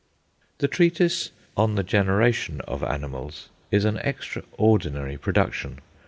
The treatise "On the Generation of Animals" is an extraordinary production.